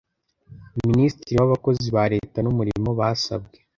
Minisitiri w abakozi ba leta n umurimo basabwe